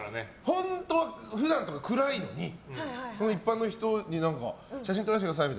本当は、普段とか暗いのに一般の人に写真撮らせてください。